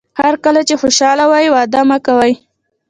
هر کله چې خوشاله وئ وعده مه کوئ.